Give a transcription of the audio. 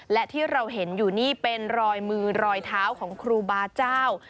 และที่เราเห็นอยู่นี่เป็นรอยมือรอยเท้าของครูบาเจ้า